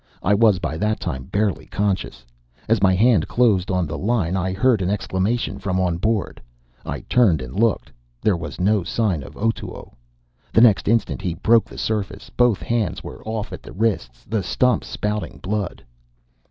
I was by that time barely conscious. As my hand closed on the line I heard an exclamation from on board. I turned and looked. There was no sign of Otoo. The next instant he broke surface. Both hands were off at the wrist, the stumps spouting blood.